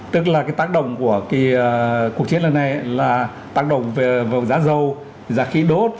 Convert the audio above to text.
tức là tác động của cuộc chiến lần này là tác động về giá dâu giá khí đốt